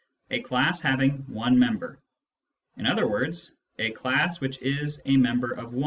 a class having one member; in other words, a class which is a member of 1.